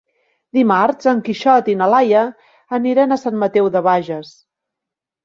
Dimarts en Quixot i na Laia aniran a Sant Mateu de Bages.